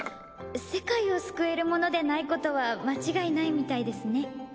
世界を救えるものでないことは間違いないみたいですね。